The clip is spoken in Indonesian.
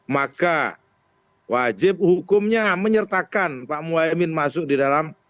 maka wajib hukumnya menyertakan pak muhaymin masuk di dalam